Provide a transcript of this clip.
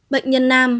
bệnh nhân nam